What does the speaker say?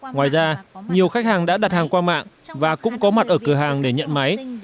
ngoài ra nhiều khách hàng đã đặt hàng qua mạng và cũng có mặt ở cửa hàng để nhận máy